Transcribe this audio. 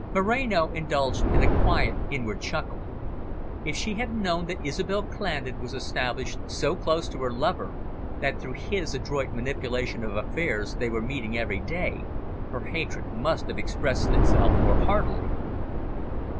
Moreno indulged in a quiet inward chuckle. If she had known that Isobel Clandon was established so close to her lover, that through his adroit manipulation of affairs they were meeting every day, her hatred must have expressed itself more heartily.